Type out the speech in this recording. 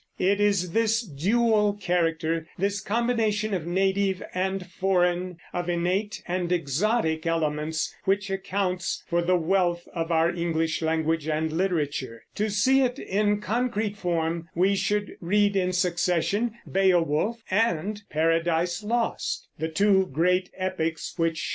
It is this dual character, this combination of native and foreign, of innate and exotic elements, which accounts for the wealth of our English language and literature. To see it in concrete form, we should read in succession Beowulf and Paradise Lost, the two great epics which show the root and the flower of our literary development.